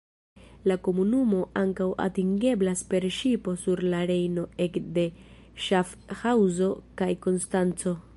La komunumo ankaŭ atingeblas per ŝipo sur la Rejno ek de Ŝafhaŭzo kaj Konstanco.